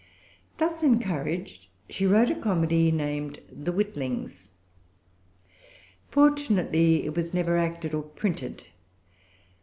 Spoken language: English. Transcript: Thus encouraged, she wrote a comedy named The Witlings. Fortunately it was never acted or printed.